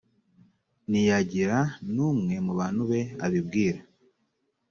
ntiyagira n umwe mu bantu be abibwira